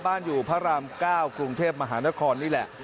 บ้านอยู่พระรามก้าวกรุงเทพฯมหานครนี่แหละ